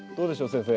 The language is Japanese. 先生。